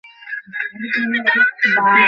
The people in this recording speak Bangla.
যথাঃ সক্রিয় প্রতিরক্ষা ও অক্রিয় প্রতিরক্ষা।